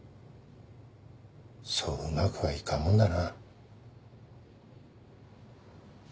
そううまくはいかんもんだな。